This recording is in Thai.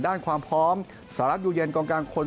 ด้านความพร้อมสหรัฐอยู่เย็นกองกลางคน